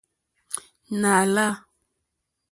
Nà lâ.